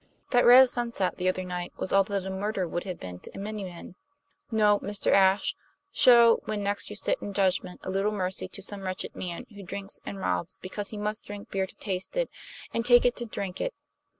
That red sunset the other night was all that a murder would have been to many men. No, Mr. Ashe; show, when next you sit in judgment, a little mercy to some wretched man who drinks and robs because he must drink beer to taste it, and take it to drink it.